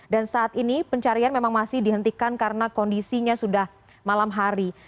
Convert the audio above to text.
dan saat ini pencarian memang masih dihentikan karena kondisinya sudah malam hari